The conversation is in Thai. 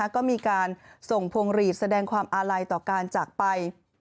ก็มีการส่งพวงหลีดแสดงความอาลัยต่อการจากไป